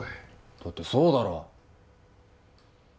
だってそうだろ？